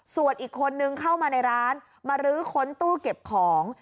ส่วนอีกคนนึงเข้ามาในร้านมารื้อค้นตู้เก็บของ